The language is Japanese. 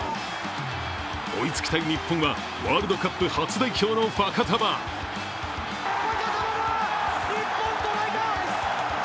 追いつきたい日本はワールドカップ初代表のファカタヴァ。